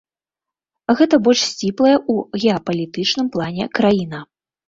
Гэта больш сціплая ў геапалітычным плане краіна.